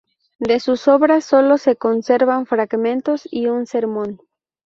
De sus obras sólo se conservan fragmentos y un sermón.